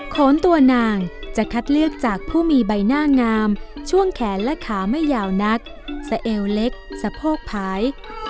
โขนตัวนางจะคัดเลือกจากผู้มีใบหน้างามช่วงแขนและขาไม่ยาวนักสะเอวเล็กสะโพกผาย